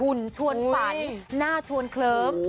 ชวนฝันหน้าชวนเคลิ้ม